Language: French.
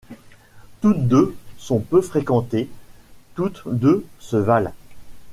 Toutes deux sont peu fréquentées, toutes deux se valent.